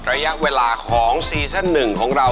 ระยะเวลาของซีซั่น๑ของเรา